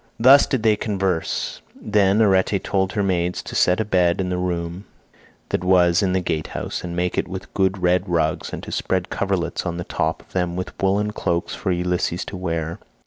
Thus did they converse. Then Arete told her maids to set a bed in the room that was in the gatehouse, and make it with good red rugs, and to spread coverlets on the top of them with woollen cloaks for Ulysses to wear.